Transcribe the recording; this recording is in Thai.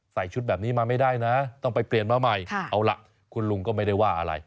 ชุดแบบนี้มาไม่ได้นะต้องไปเปลี่ยนมาใหม่เอาล่ะคุณลุงก็ไม่ได้ว่าอะไร